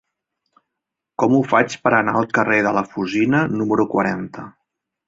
Com ho faig per anar al carrer de la Fusina número quaranta?